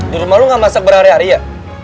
di rumah lu gak masak berhari hari ya